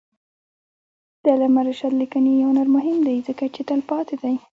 د علامه رشاد لیکنی هنر مهم دی ځکه چې تلپاتې دی.